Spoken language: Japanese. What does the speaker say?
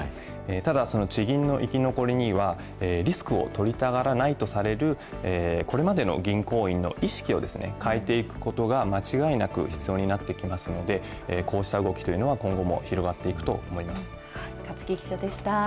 ただ、その地銀の生き残りには、リスクを取りたがらないとされる、これまでの銀行員の意識を変えていくことが間違いなく必要になってきますので、こうした動きというのは、今後も広がっていくと思甲木記者でした。